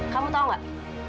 kamu tahu gak